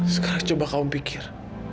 sekarang coba kamu pikir